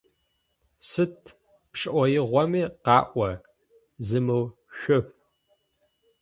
Сыд пшӏоигъоми къаӏо, зымыушъэф.